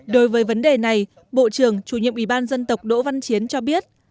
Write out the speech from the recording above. đối với vấn đề này bộ trưởng chủ nhiệm ủy ban dân tộc đỗ văn chiến cho biết